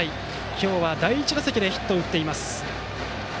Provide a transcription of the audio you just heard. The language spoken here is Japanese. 今日は第１打席でヒットを打っています。